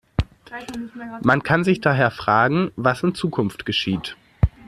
Man kann sich daher fragen, was in Zukunft geschieht.